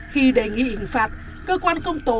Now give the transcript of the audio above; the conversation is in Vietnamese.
khi đề nghị hình phạt cơ quan công tố